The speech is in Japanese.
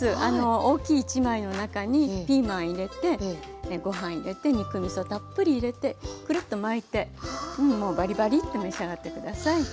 大きい１枚の中にピーマン入れてご飯入れて肉みそたっぷり入れてくるっと巻いてもうバリバリッて召し上がって下さい。